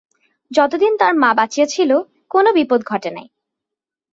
যতদিন তার মা বাঁচিয়া ছিল কোনো বিপদ ঘটে নাই।